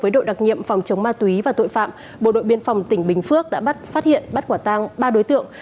với đội đặc nhiệm phòng chống ma túy và tội phạm bộ đội biên phòng tỉnh bình phước đã bắt phát hiện bắt quả tang ba đối tượng